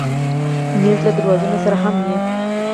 مېز له درازونو سره هم وي.